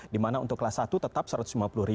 di mana untuk kelas satu tetap rp satu ratus lima puluh